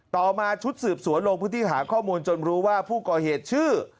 ต่อมาชุดสืบสวนลงพื้นที่หาข้อมูลจนรู้ว่าผู้ก่อเหตุชื่อ